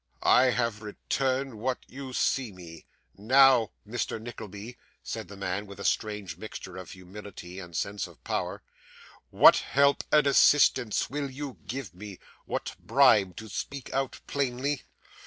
I have returned what you see me. Now, Mr Nickleby,' said the man, with a strange mixture of humility and sense of power, 'what help and assistance will you give me; what bribe, to speak out plainly?